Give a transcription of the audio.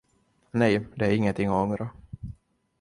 Nej, det är ingenting att ångra.